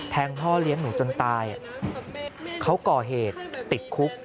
พ่อเลี้ยงหนูจนตายเขาก่อเหตุติดคุก